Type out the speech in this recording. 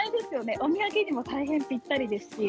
お土産にも大変ぴったりです。